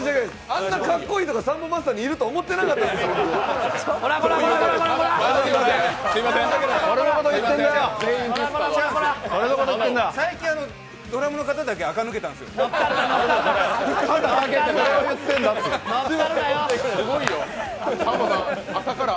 あんな格好いい方がサンボマスターにいると思ってなかったから。